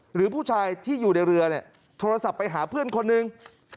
หรือผู้ชายที่อยู่ในเรือเนี่ยโทรศัพท์ไปหาเพื่อนคนหนึ่ง